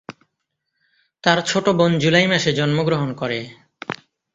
তার ছোট বোন জুলাই মাসে জন্মগ্রহণ করে।